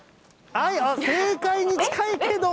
正解に近いけど。